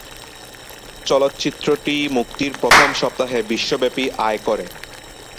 চলচ্চিত্রটি মুক্তির প্রথম সপ্তাহে বিশ্বব্যাপী আয় করে।